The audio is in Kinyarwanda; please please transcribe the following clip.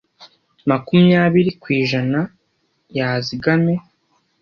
Makumyabiri kw’ijana yazigame.